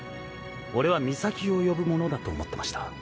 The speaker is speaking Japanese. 俺は岬を呼ぶものだと思ってました。